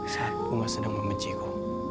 saat bunga sedang membenciku